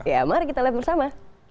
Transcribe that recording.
ya mari kita lihat bersama